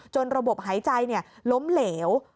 ระบบหายใจล้มเหลว